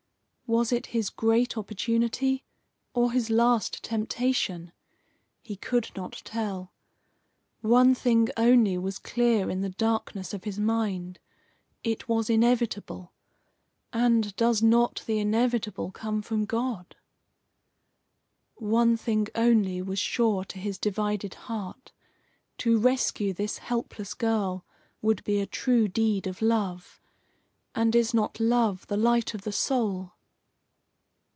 Was it his great opportunity, or his last temptation? He could not tell. One thing only was clear in the darkness of his mind it was inevitable. And does not the inevitable come from God? One thing only was sure to his divided heart to rescue this helpless girl would be a true deed of love. And is not love the light of the soul?